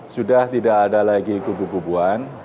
sudah tidak ada lagi kubu kubuan